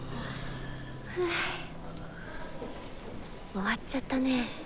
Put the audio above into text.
終わっちゃったねぇ。